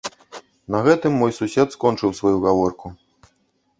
На гэтым мой сусед скончыў сваю гаворку.